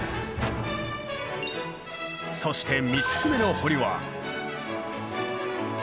そして３つ目の堀は。